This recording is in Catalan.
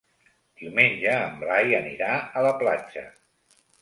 Diumenge en Blai anirà a la platja.